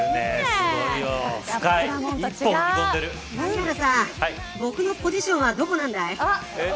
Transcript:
なんか僕のポジションはどこなんだい。